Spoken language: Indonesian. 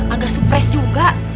agak surprise juga